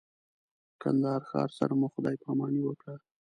د کندهار ښار سره مو خدای پاماني وکړه.